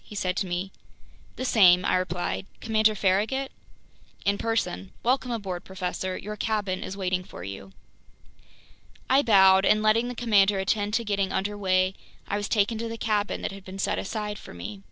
he said to me. "The same," I replied. "Commander Farragut?" "In person. Welcome aboard, professor. Your cabin is waiting for you." I bowed, and letting the commander attend to getting under way, I was taken to the cabin that had been set aside for me.